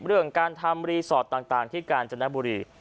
เรื่องการทำรีสอร์ทต่างที่กาญจนบุรี